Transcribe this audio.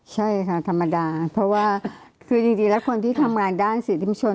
ใช่ค่ะธรรมดาเพราะว่าคือจริงแล้วคนที่ทำงานด้านสิทธิมชน